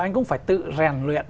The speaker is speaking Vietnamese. anh cũng phải tự rèn luyện